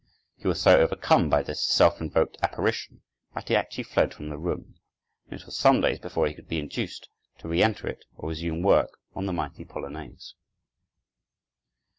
He was so overcome by this self invoked apparition that he actually fled from the room, and it was some days before he could be induced to re enter it or resume work on the mighty polonaise.